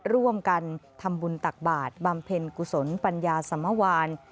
ร่วมกันทำบุญตักบาทบำเพ็ญกุศลปัญญาสมวาน